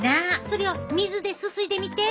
それを水ですすいでみて。